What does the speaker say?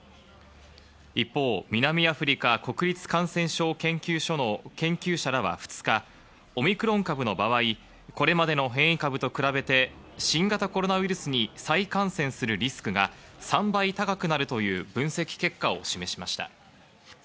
一方、南アフリカ国立感染症研究所の研究者らは２日、オミクロン株の場合、これまでの変異株と比べて新型コロナウイルスに再感染するリスクが３倍高くなるという分析結果を示しました。